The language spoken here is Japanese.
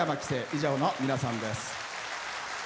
以上の皆さんです。